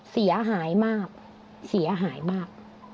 เสียหายมากเสียหายมาก